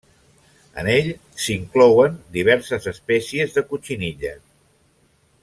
En ell s'inclouen diverses espècies de cotxinilla.